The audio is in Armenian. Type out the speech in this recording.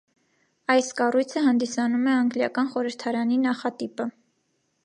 Այս կառույցը հանդիսանում է անգլիական խորհրդարանի նախատիպը։